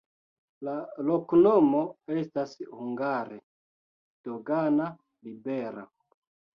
La loknomo estas hungare: dogana-libera.